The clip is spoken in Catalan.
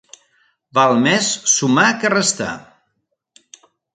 Val més sumar que restar.